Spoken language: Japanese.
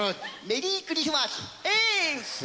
メリークリスマス！